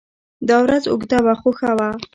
دا ورځ اوږده وه خو ښه وه.